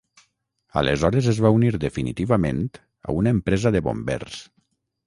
Aleshores es va unir definitivament a una empresa de bombers.